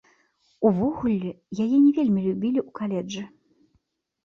Увогуле, яе не вельмі любілі ў каледжы.